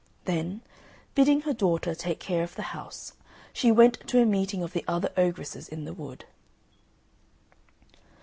Then, bidding her daughter take care of the house, she went to a meeting of the other ogresses in the wood.